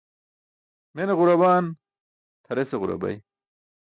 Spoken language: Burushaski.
Mene ġurabaan? Tʰarese ġurabay.